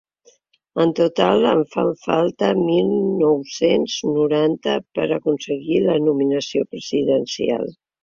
En total en fan falta mil nou-cents noranta per aconseguir la nominació presidencial.